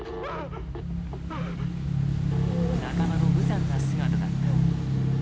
仲間の無残な姿だった。